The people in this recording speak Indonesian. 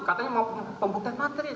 katanya mau pembukaan material